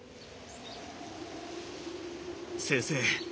先生